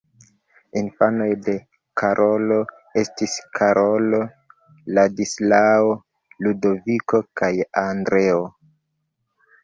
Infanoj de Karolo estis Karolo, Ladislao, Ludoviko kaj Andreo.